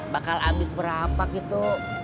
bakal habis berapa gitu